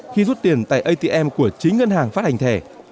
khi rút tiền tại atm của chính ngân hàng phát hành thẻ